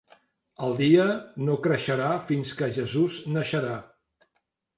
El dia no creixerà fins que Jesús naixerà.